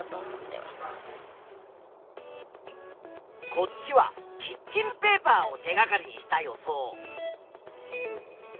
こっちはキッチンペーパーを手がかりにした予想。